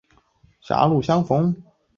很早就发现织田信长的才能。